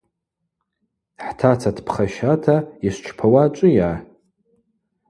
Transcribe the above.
Хӏтаца дпхащата – “Йшвчпауа ачӏвыйа?